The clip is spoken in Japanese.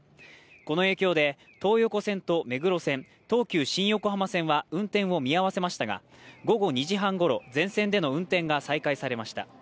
この影響で、東横線と目黒線東急新横浜線は運転を見合わせましたが、午後２時半ごろ、全線の運転が再開されました。